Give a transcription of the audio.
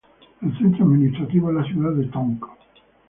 El centro administrativo es la ciudad de Tonk.